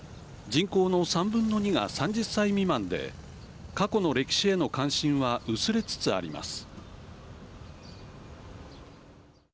人口の３分の２が３０歳未満で過去の歴史への関心は薄れつつあります。